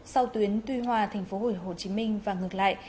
sau tuyến tuy hòa tp hcm và ngược lại